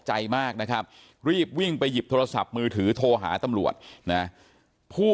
ใจมากนะครับรีบวิ่งไปหยิบโทรศัพท์มือถือโทรหาตำรวจนะผู้